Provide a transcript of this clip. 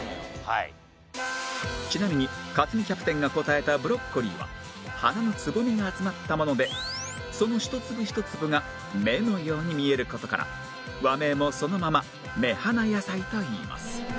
ちなみに克実キャプテンが答えたブロッコリーは花のツボミが集まったものでその一粒一粒が芽のように見える事から和名もそのままメハナヤサイといいます